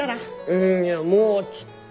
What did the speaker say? うんにゃもうちっと。